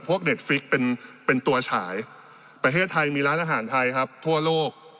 เด็ดฟิกเป็นตัวฉายประเทศไทยมีร้านอาหารไทยครับทั่วโลก